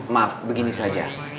maaf begini saja